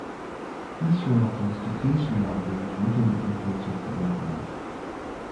This reluctance to face realities weakened the influence of the Referat.